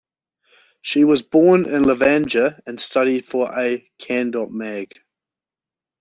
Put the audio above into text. She was born in Levanger, and studied for a cand.mag.